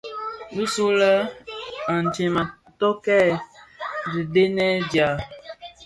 Bisulè antsem a tokkè dhidenèn dja.